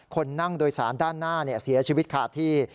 คนนั่งโดยสารด้านหน้าเสียชีวิตขาดที่